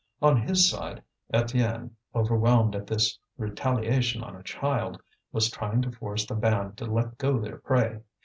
On his side, Étienne, overwhelmed at this retaliation on a child, was trying to force the band to let go their prey.